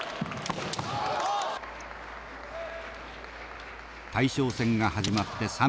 大将戦が始まって３分余り。